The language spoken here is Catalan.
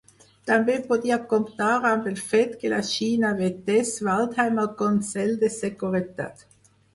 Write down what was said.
També podia comptar amb el fet que la Xina vetés Waldheim al consell de seguretat.